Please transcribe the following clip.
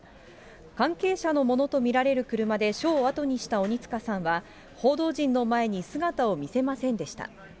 関係者のものと見られる車で署を後にした鬼束さんは、報道陣の前に姿を見せませんでした。